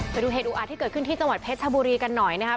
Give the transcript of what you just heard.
ไปดูเหตุอุอาจที่เกิดขึ้นที่จังหวัดเพชรชบุรีกันหน่อยนะครับ